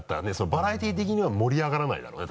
バラエティー的には盛り上がらないだろうね